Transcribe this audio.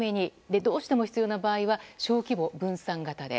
どうしても必要な場合は小規模分散型で。